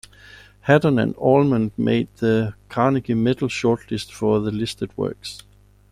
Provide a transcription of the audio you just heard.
Haddon and Almond made the Carnegie Medal shortlist for the listed works.